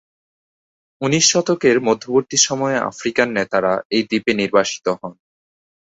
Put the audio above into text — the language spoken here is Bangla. ঊনিশ শতকের মধ্যবর্তী সময়ে আফ্রিকান নেতারা এই দ্বীপে নির্বাসিত হন।